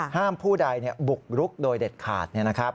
ผู้ใดบุกรุกโดยเด็ดขาด